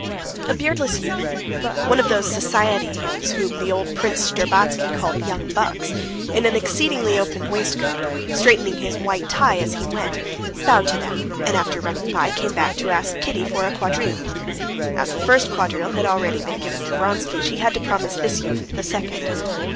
A beardless youth, one of those society youths whom the old Prince Shtcherbatsky called "young bucks," in an exceedingly open waistcoat, straightening his white tie as he went, bowed to them, and after running by, came back to ask Kitty for a quadrille. As the first quadrille had already been given to Vronsky, she had to promise this youth the second.